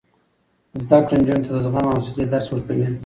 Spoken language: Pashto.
زده کړه نجونو ته د زغم او حوصلې درس ورکوي.